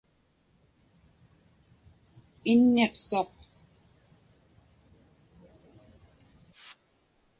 Inniqsuq.